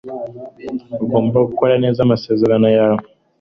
Ugomba gukora neza amasezerano yawe.